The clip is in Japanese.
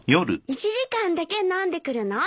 １時間だけ飲んでくるの？